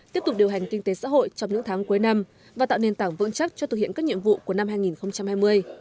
tiếp tục điều hành kinh tế xã hội trong những tháng cuối năm và tạo nền tảng vững chắc cho thực hiện các nhiệm vụ của năm hai nghìn hai mươi